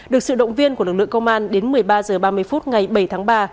được sự động viên của lực lượng công an đến một mươi ba h ba mươi phút ngày bảy tháng ba